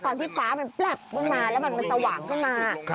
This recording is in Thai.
ตอนที่ฟ้ามันแปลบลงมาแล้วมันมันสว่างขึ้นมา